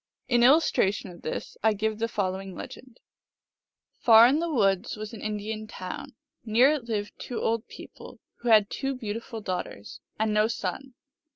In illustration of this I give the following legend : Far in the woods was an Indian town ; near it lived two old people, who had two beautiful daughters, and no son.